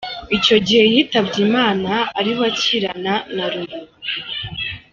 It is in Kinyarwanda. Icyo gihe yitabye Imana ariho akirana na Lulu.